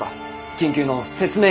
緊急の説明会を。